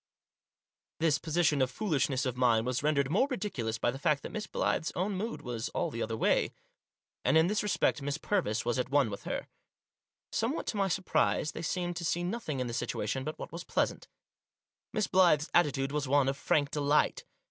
This foolishness of mine was rendered more ridiculous by the fact that Miss Blyth's own mood was all the other way. And in this respect Miss Purvis was at one with her, Sojnewhat to my surprise MY CLIENT— AND HER FRIEND. 187 they seemed to see nothing in the situation but what was pleasant. Miss Blyth's attitude was one of frank delight.